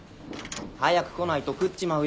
早く来ないと食っちまうよ。